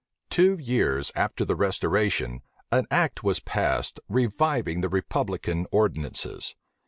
Two years after the restoration, an act was passed reviving the republican ordinances.